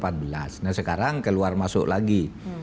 nah sekarang keluar masuk lagi